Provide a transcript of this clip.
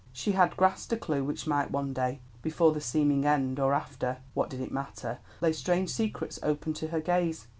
She had grasped a clue which might one day, before the seeming end or after—what did it matter?—lay strange secrets open to her gaze.